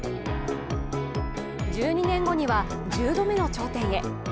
１２年後には、１０度目の頂点へ。